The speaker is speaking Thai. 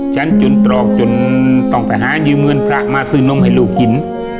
จนตรอกจนต้องไปหายืมเงินพระมาซื้อนมให้ลูกกิน